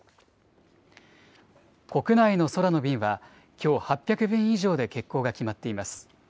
国内の空の便は、きょう８００便以上で欠航が決まっています。